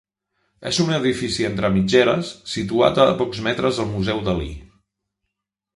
És un edifici entre mitgeres situat a pocs metres del museu Dalí.